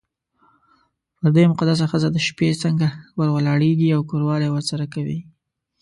پر دې مقدسه ښځه د شپې څنګه ور ولاړېږې او کوروالی ورسره کوې.